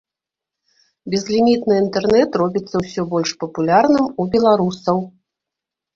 Безлімітны інтэрнэт робіцца ўсё больш папулярным у беларусаў.